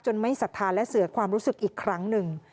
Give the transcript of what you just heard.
ไม่ศรัทธาและเสือความรู้สึกอีกครั้งหนึ่ง